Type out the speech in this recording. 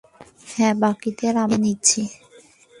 হ্যাঁ, বাকিদের আমরা দেখে নিচ্ছি।